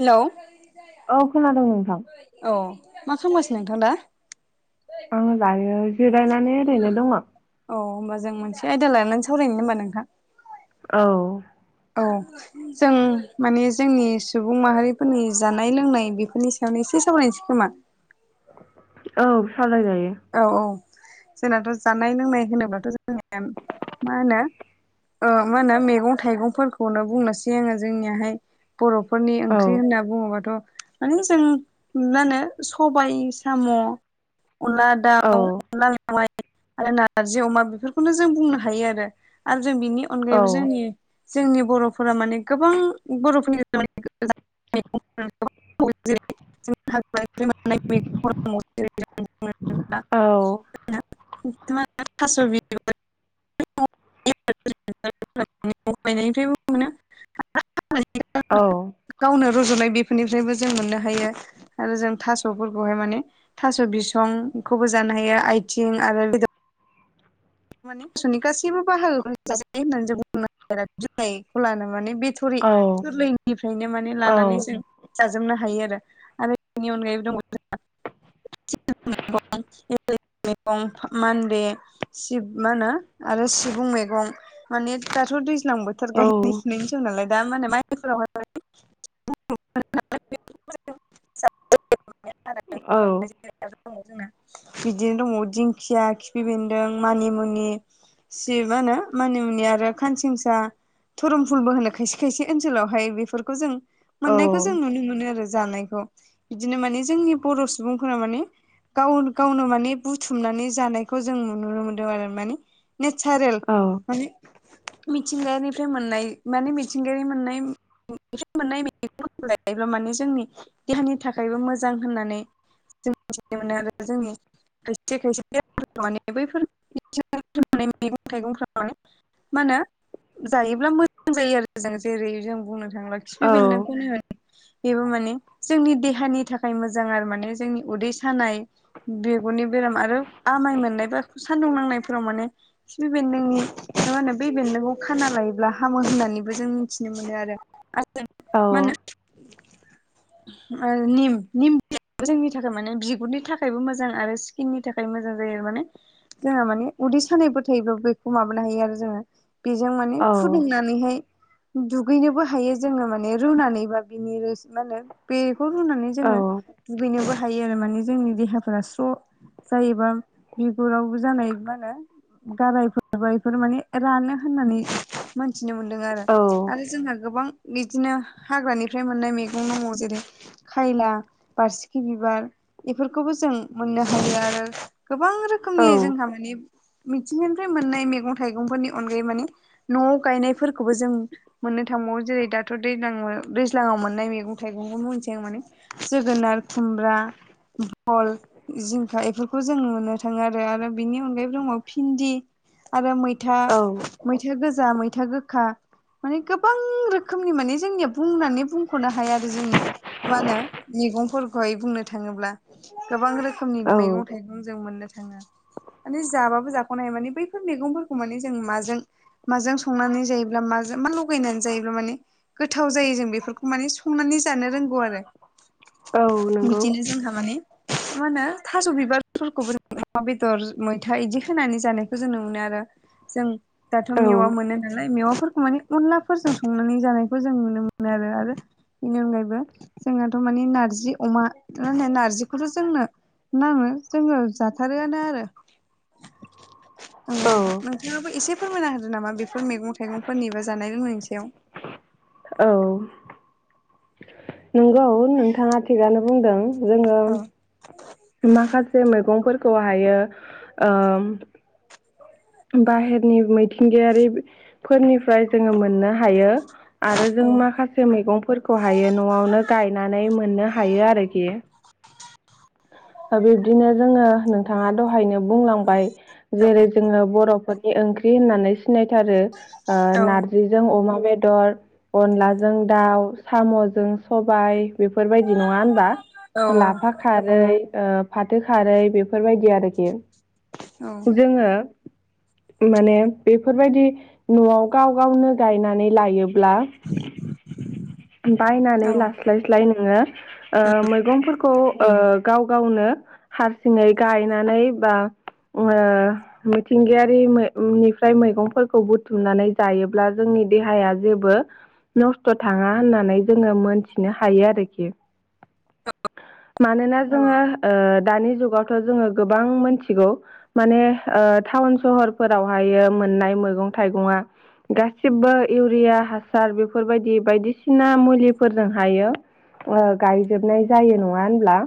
Hello? औ खोनादों नोंथां। औ मा खामगासिनो नोंथां दा? आङो दायो जिरायनानै ओरैनो दङ। अ होनोमबा जों मोनसे आयदा लानानै सावरायनो होमबा नोंथां। औ औ। जों माने जोंनि सुबुं माहारिफोरनि जानाय लोंनाय बेफोरनि सायावनो एसे सावरायनोसै खोमा औ सावराय जायो। औ औ जोंनाथ' जानाय लोंनाय होनोब्लाथ' जोंनि मा होनो मा होनो मैगं थाइगंफोरखौनो बुंनोसै आङो जोंनियाहाय बर'फोरनि औ ओंख्रि होनना बुङोबाथ' माने जों मा होनो सबाय साम' उलार औ माय आरो नारजि अमा बेफोरखौनो जों बुंनो हायो आरो आरो जों बिनि औ अनगायैबो जोंनि जोंनि बर'फोरा माने गोबां बर'फोरनि ै आरो थास' बि ायनायनिफ्रायबो मोनो औ गावनो रज'नाय बेफोरनिफ्रायबो जों मोननो हायो आरो जों थास'फोरखौहाय माने थास' बिसंखौबो जानो हायो आथिं आरो माने आस आसुनि गासैबो बाहागो होननानै जों बुंनो जनायखौ लानो माने बे सुरि औ गोरलैनिफ्रायनो माने औ लानानै जों जाजोबनो हायो आरो आरो बेनि अनगायैबो दङ जोंहा मैगं मैगं मानद सिब मा होनो आरो सिबुं मैगं माने दाथ' दैज्लां बोथोर औ गायनाय न जों नालाय दा माने माइफोरावहाय औ दङ जोंना बिदिनो दङ दिंखिया खिफि बेन्दों मानिमुनि सिबआ होनो मानि मुनि आरो खानसिंसा धरम फुलबो होनो खायसे खायसे ओनसोलावहाय बेफोरखौ जों मोननायखौ जों नुनो मोनो आरो जानायखौ बिदिनो माने जोंनि बर' सुबुंफोरा मान गाव गावनो माने बुथुमनानै जानायखौ जोंुनो मोन आरो मान नेचारेल औ मान मिथिंगायारिानिफ्राय मोननाय माने मिथिंगायारि मोननाय मोननाय मेग लायोब्ला माने जोंनि देहानि थाखायबो मोजां होननानै जों मिथिनो मोनो आरो जोंनि खथि खायसे बेरामफोरखौ माने बैफोर मैगं थाइगंफ माने मा होनो जायोब्ला मोजां जायो आरो जों जेरै जों बुंनो थाङोब्ला खिफि औ बेन्दों ने बेबो माने जोंनि देहानि थाखाय मोजां आरो माने जोंनि उदै सानाय बेगुरनि बेराम आरो आमाय मोननाय बा सान्दुं नांनायफोराव माने बेन् नोंनि मार म होनो ब बेन् नोंखौ खाना लायोब्ला हामो होननानैबो जों मिथिनो मोनो आरो मान निम निम जोंनि थाखाय माने बिगुरनि थाखायबो मोजां आरो स्किननि थाखाय जायो माने जोंहा माने उदै सानायफोर थायोब्लाबो बेखौ माबानो हायो आरो जोङो। बेजों माने फुदुंनानैहाय दुगैनोबो हायो जोङो माने रुनानैबा बिनि मा होनो बेखौ रुनानै औ जोङो दुगैनोबो हायो आरो माने जोंनि देहाफोरा स्र' जायोबा बेगुरावबो जानाय मा होनो गारायफोर बेफोर माने रानो होननानै मोनथिनो मोन्दों आरो आरो जोंहा गोबां बिदिनो हाग्रानिफ्राय मोननाय मैगं दङ जेरै खायला बारसिखि बिबार बेफोरखौबो जों मोननो हायो आरो। गोबां रोखोमनि जोंहा माने मिथिंगानिफ्राय मोननाय मैगं थाइगंफोरनि अनगायै माने न'आव गायनायफोरखौबो जों मोननो थांबावो जेरै दाथ' दैज्लां दैज्लाङाव मोननाय मैगं थाइगंखौबो मोनसे आं माने जोगोनार खुमब्रा बल जिंखा बेफोरखौ जों नुनो थाङो आरो आरो बिनि अनगायै दङ भिन्दि आरो मैथा मैथा गोजा, मैथा गोखा माने गोबां रोखोमनि माने जोंनिया बुंनानै बुंख'नो हाया आरो जोंनि मा होनो मैगंफोरखौहाय बुंनो थांङोब्ला गोबां रोखोमनि औ मैगं जों मोननो थांङा माने जाबाबो जाख'नो हाया माने बैफोर मैगंफोरखौ माने जों माजों माजों संनानै जायोब्ला माजों मा लगायनानै जायोब्ला माने गोथाव जायो जों बेफोरखौ माने संनानै जानो रोंगौ आरो। औ नंगौ बिदिनो जोंहा माने मा होनो थास' बिबार [inaudible] अमा बेदर मैथा इदि होनानै जानायखौ जों नु मोनो आरो जों दाथ' औ मेवा मोनो नालाय मेवाफोरखौ माने अनलाफोरजों संनानै जानायखौ जों नुनो मोनो आरो आरो बेनि अनगायैबो जोंनाथ' माने नार्जि अमा मा होनो नार्जिखौथ' जोंनो नांङो जोंङो जाथारोआनो आरो औ नोंथांङाबो एसे फोरमायना होदो नामा बेफोर मैगं थाइगंफोरनिबो जानाय लोंनायनि सायाव औ नंगौ नोंथांङा थिगानो बुंदों जोंङो औ माखासे मैगंफोरखौ हायो ओ बाहेरनि मिथिंगायारिफोरनिफ्राय जोंङो मोननो हायो। आरो जों औ माखासे मैगंफोरखौहायो न'आवनो गायनानै मोननो हायो आरोखि। बिब्दिनो जोंङो नोंथाङा दहायनो बुंलांबाय जेरै जोंङो बर'फोर जे ओंख्रि होननानै सिनायथारो ओ औ नारजिजों अमा बेदर अनलाजों दाउ साम'जों सबाय बेफोरबायदि नंङा होनबा औ लाफा खारै ओ फाथो खारै बेफोरबायदि आरोखि जोंङो माने बेफोरबायदि न'आव गाव गावनो गायनानै लायोब्ला औ बायनानै लास्लायस्लाय नोंङो ओ मैगंफोरखौ ओ गाव गावनो हारसिङै गायनानै बा ओ मिथिंगायारिनिफ्राय मैगंफोरखौ बुथुमनानै जायोब्ला जोंनि देहाया जेबो नस्थ' थांङा होननानै जोंङो मोनथिनो हायो आरोखि। मानोना जोंङो ओ दानि जुगावथ' जोंङो गोबां मिथिगौ माने ओ टाउन सहरफोरावहायो मोननाय मैगं थाइगंफोरा गासिबो इउरिया हासार बेफोरबायदि बायदिसिना मुलिफोरजों हायो ओ गायजोबनाय जायो नंङा होनब्ला